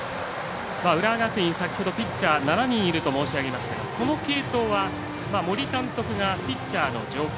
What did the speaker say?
浦和学院、先ほどピッチャー７人いると申し上げましたがその継投は、森監督がピッチャーの状況